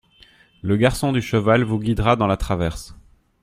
Le garçon du cheval vous guidera dans la traverse.